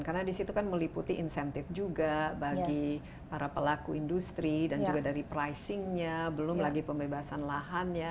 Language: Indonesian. karena di situ kan meliputi insentif juga bagi para pelaku industri dan juga dari pricingnya belum lagi pembebasan lahannya